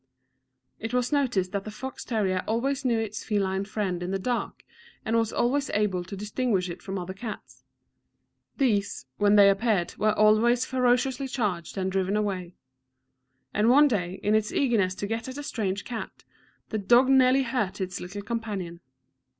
It was noticed that the fox terrier always knew its feline friend in the dark, and was always able to distinguish it from other cats. These, when they appeared, were always ferociously charged and driven away; and one day, in its eagerness to get at a strange cat, the dog nearly hurt its little companion.